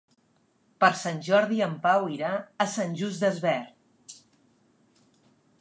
Per Sant Jordi en Pau irà a Sant Just Desvern.